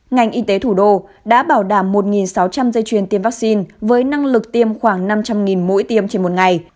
ngành y tế thủ đô đã bảo đảm một sáu trăm linh dây chuyền tiêm vaccine với năng lực tiêm khoảng năm trăm linh mỗi tiêm trên một ngày